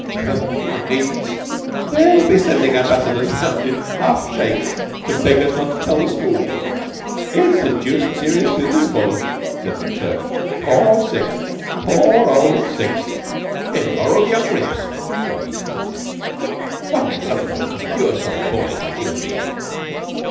"Never mind. They'll be sendin' ambassadors round in half a shake to beg us not to tell the school. It's a deuced serious business for them," said McTurk. "Poor Sixth poor old Sixth!" "Immoral young rips," Stalky snorted. "What an example to pure souled boys like you and me!"